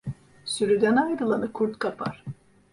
Sürüden ayrılanı kurt kapar.